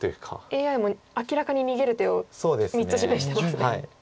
ＡＩも明らかに逃げる手を３つ示してますね。